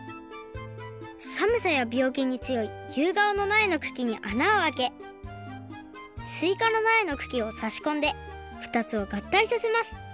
さむさやびょうきにつよいゆうがおのなえのくきにあなをあけすいかのなえのくきをさしこんでふたつをがったいさせます。